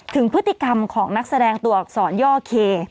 ถึงพฤติกรรมของนักแสดงตัวอักษรย่อเค